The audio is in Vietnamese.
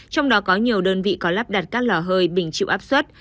trong đó có nhiều đơn vị có lắp đặt các lò hơi bình chịu áp suất